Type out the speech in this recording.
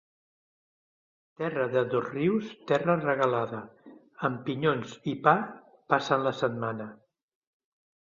Terra de Dosrius, terra regalada; amb pinyons i pa passen la setmana.